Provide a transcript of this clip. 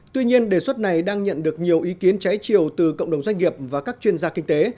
tuy nhiên đề xuất này đang nhận được nhiều ý kiến trái chiều từ cộng đồng doanh nghiệp và các chuyên gia kinh tế